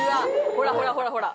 ほらほらほらほら。